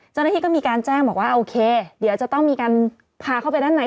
เจ้าหน้าที่ก็มีการแจ้งบอกว่าโอเคเดี๋ยวจะต้องมีการพาเข้าไปด้านใน